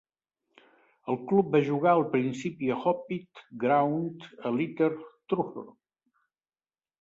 El club va jugar al principi a Hoppit Ground, a Little Thurrock.